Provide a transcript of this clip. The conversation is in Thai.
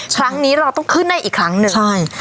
ครั้งนี้เราต้องขึ้นให้อีกครั้งหนึ่งใช่